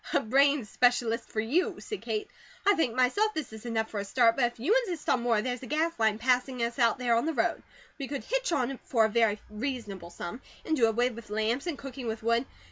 "A brain specialist for you," said Kate. "I think myself this is enough for a start; but if you insist on more, there's a gas line passing us out there on the road; we could hitch on for a very reasonable sum, and do away with lamps and cooking with wood."